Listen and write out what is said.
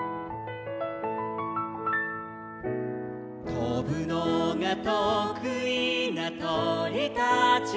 「とぶのがとくいなとりたちも」